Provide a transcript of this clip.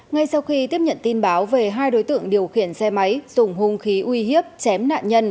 ngay sau khi tiếp nhận tin báo về hai đối tượng điều khiển xe máy dùng hung khí uy hiếp chém nạn nhân